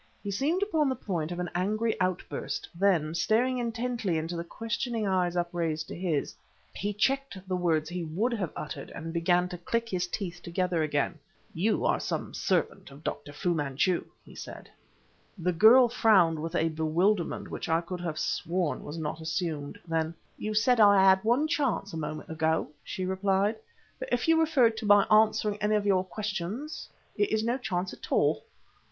He seemed upon the point of an angry outburst, then, staring intently into the questioning eyes upraised to his, he checked the words he would have uttered and began to click his teeth together again. "You are some servant of Dr. Fu Manchu!" he said. The girl frowned with a bewilderment which I could have sworn was not assumed. Then "You said I had one chance a moment ago," she replied. "But if you referred to my answering any of your questions, it is no chance at all.